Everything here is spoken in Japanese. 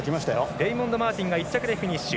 レイモンド・マーティン１着でフィニッシュ。